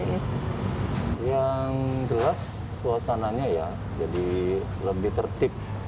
yang jelas suasananya ya jadi lebih tertib